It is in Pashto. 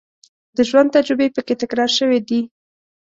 د ژوند تجربې په کې تکرار شوې دي.